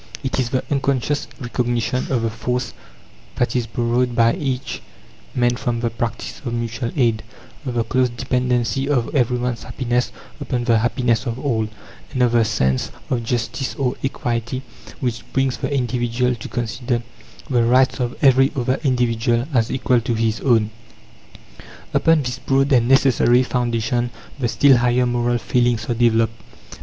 It is the unconscious recognition of the force that is borrowed by each man from the practice of mutual aid; of the close dependency of every one's happiness upon the happiness of all; and of the sense of justice, or equity, which brings the individual to consider the rights of every other individual as equal to his own. Upon this broad and necessary foundation the still higher moral feelings are developed.